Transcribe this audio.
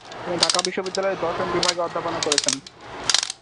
তিনি ঢাকা বিশ্ববিদ্যালয়ের দর্শন বিভাগে অধ্যাপনা করেছেন।